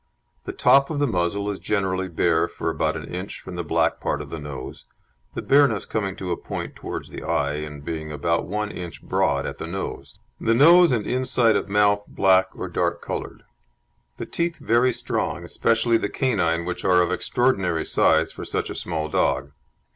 The top of the muzzle is generally bare for about an inch from the black part of the nose, the bareness coming to a point towards the eye, and being about one inch broad at the nose. The nose and inside of mouth black or dark coloured. The teeth very strong, especially the canine, which are of extraordinary size for such a small dog.